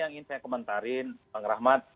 yang ingin saya komentarin bang rahmat